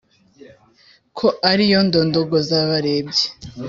Ko ari yo ndondogoza-barebyi!"